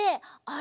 あ！